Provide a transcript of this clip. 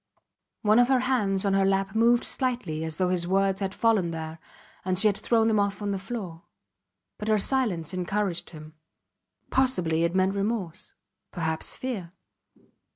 One of her hands on her lap moved slightly as though his words had fallen there and she had thrown them off on the floor. But her silence encouraged him. Possibly it meant remorse perhaps fear.